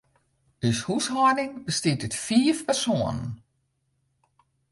Us húshâlding bestiet út fiif persoanen.